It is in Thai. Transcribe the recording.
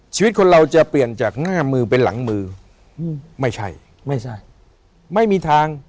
ชีวิตคนเราจะเปลี่ยนจากหน้ามือเป็นหลังมืออืมไม่ใช่ไม่ใช่ไม่มีทาง